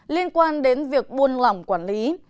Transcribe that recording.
liên quan đến việc buôn lỏng quản lý